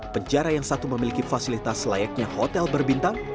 penjara yang satu memiliki fasilitas layaknya hotel berbintang